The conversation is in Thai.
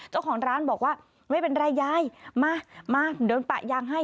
เจ้าของร้านบอกว่าไม่เป็นไรยายมามาเดินปะยางให้